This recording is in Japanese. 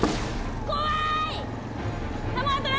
怖い！